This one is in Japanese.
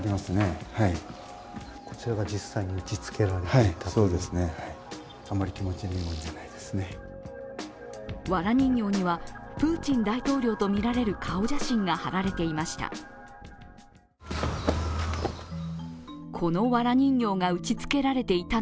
わら人形にはプーチン大統領と見られる顔写真が貼られていました。